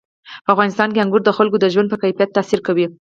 په افغانستان کې انګور د خلکو د ژوند په کیفیت تاثیر کوي.